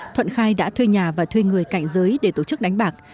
thuận khai đã thuê nhà và thuê người cạnh giới để tổ chức đánh bạc